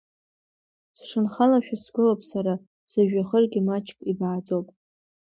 Сшанхалашәа сгылоуп сара, сыжәҩахыргьы маҷк ибааӡоуп.